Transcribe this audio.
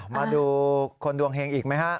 มาดูคนดวงเฮงอีกไหมฮะ